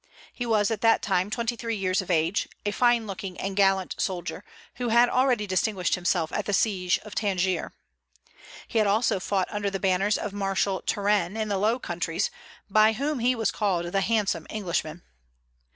He was at that time twenty three years of age, a fine looking and gallant soldier, who had already distinguished himself at the siege of Tangier. He had also fought under the banners of Marshal Turenne in the Low Countries, by whom he was called the "handsome Englishman."